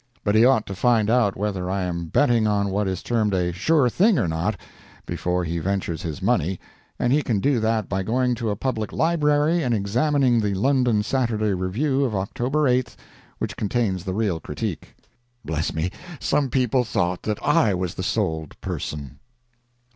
But he ought to find out whether I am betting on what is termed "a sure thing" or not before he ventures his money, and he can do that by going to a public library and examining the London "Saturday Revue" of October 8th, which contains the real critique. Bless me, some people thought that I was the "sold" person!